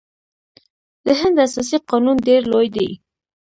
د هند اساسي قانون ډیر لوی دی.